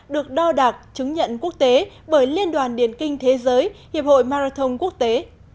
được đo đạc chứng nhận quốc tế bởi liên đoàn điển kinh thế giới hiệp hội marathon quốc tế